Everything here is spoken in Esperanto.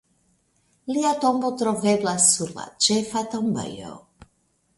Lia tombo troveblas sur la ĉefa tombejo.